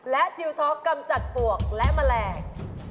และจิลท็อกกำจัดปวกและแมลง